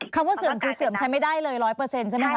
คำว่าเสื่อมคือเสื่อมใช้ไม่ได้เลย๑๐๐ใช่ไหมคะ